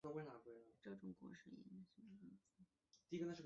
本种果实因具刺状物而得名刺蒺藜。